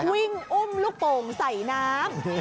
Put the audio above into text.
อุ้มลูกโป่งใส่น้ำ